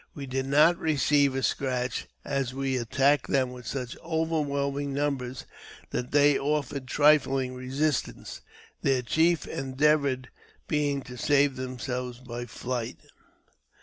We did not receive a scratch, as we attacked them with such overwhelming numbers ', that they offered trifling resistance, their chief endeavour being to save themselves by flight.